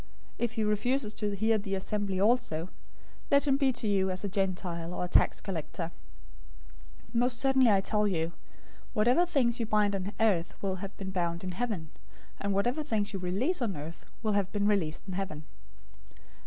If he refuses to hear the assembly also, let him be to you as a Gentile or a tax collector. 018:018 Most certainly I tell you, whatever things you bind on earth will have been bound in heaven, and whatever things you release on earth will have been released in heaven.